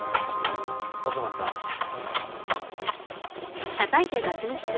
お粗末さまでした。